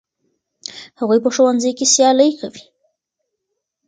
هغوی په ښوونځي کې سیالي کوي.